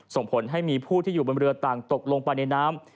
ส่งผลให้มีผู้ที่อยู่บนเรือต่างตกลงไปในน้ำ